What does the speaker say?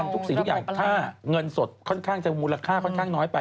ถ้าเงินสดค่อนข้างจะมูลค่าค่อนข้างน้อยไป